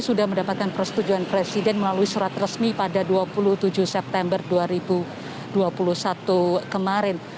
sudah mendapatkan persetujuan presiden melalui surat resmi pada dua puluh tujuh september dua ribu dua puluh satu kemarin